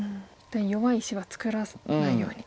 弱い石は作らないように。